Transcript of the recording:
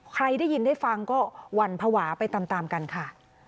ใครได้ยินได้ฟังก็หวั่นภาวะไปตามกันค่ะ